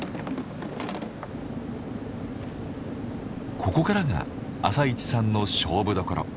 ここからが朝市さんの勝負どころ。